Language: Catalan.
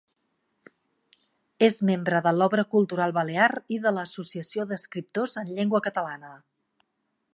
És membre de l'Obra Cultural Balear i de l'Associació d'Escriptors en Llengua Catalana.